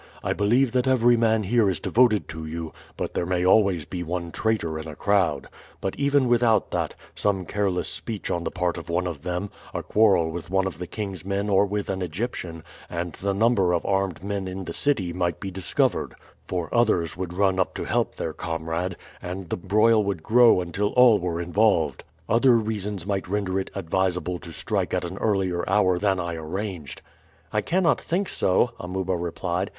I believe that every man here is devoted to you, but there may always be one traitor in a crowd; but even without that, some careless speech on the part of one of them, a quarrel with one of the king's men or with an Egyptian, and the number of armed men in the city might be discovered, for others would run up to help their comrade, and the broil would grow until all were involved. Other reasons might render it advisable to strike at an earlier hour than I arranged." "I cannot think so," Amuba replied.